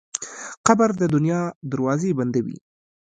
قبر د دنیا دروازې بندوي.